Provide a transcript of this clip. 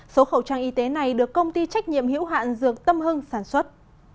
số khẩu trang y tế này được công ty trách nhiệm hiểu hạn dược tâm hương sản xuất